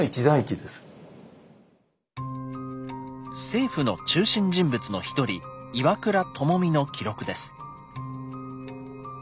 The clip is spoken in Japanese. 政府の中心人物の一人岩倉具視の記録です。